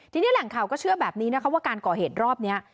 ทีนี้แหล่งข่าวก็เชื่อแบบนี้นะคะว่าการก่อเหตุรอบนี้